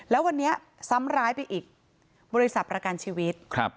แล้ววันนี้ซ้ำร้ายไปอีกบริษัทประกันชีวิตครับ